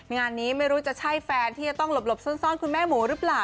งานนี้ไม่รู้จะใช่แฟนที่จะต้องหลบซ่อนคุณแม่หมูหรือเปล่า